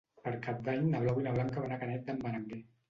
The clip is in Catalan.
Per Cap d'Any na Blau i na Blanca van a Canet d'en Berenguer.